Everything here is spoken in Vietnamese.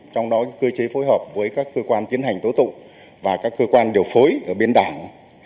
trong đó cơ chế phối hợp với các cơ quan tiến hành tố tụng và các cơ quan điều phối ở bên đảng